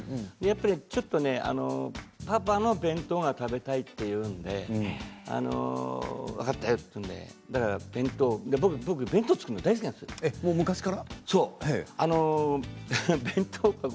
ちょっとパパのお弁当が食べたいというので分かったよというので僕は弁当を作るのが昔から？